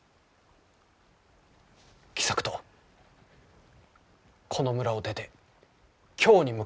喜作と、この村を出て京に向かおうと思う。